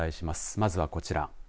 まずはこちら。